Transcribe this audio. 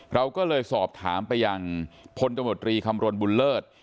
เราก็เลยสอบถามไปยังพลตมตรีคำรณบุญเลิศ